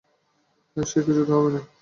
সে কিছুতেই হবে না।